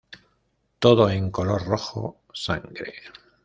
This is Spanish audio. Todo en color rojo sangre.